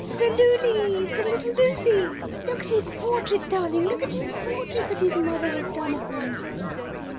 "'s a Loolie, 's a little Loozie! Look at his portrait, darling, look at his portrait, that his mother has done of him."